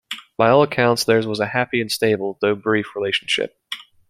By all accounts, theirs was a happy and stable, though brief, relationship.